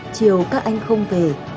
chiều các anh không về